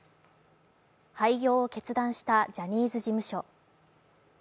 廃業を決断したジャニーズ事務所。